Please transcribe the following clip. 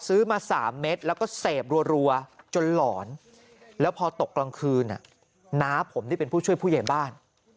ซื้อมา๓เม็ดแล้วก็เสพรัวจนหลอนแล้วพอตกกลางคืนน้าผมที่เป็นผู้ช่วยผู้ใหญ่บ้าน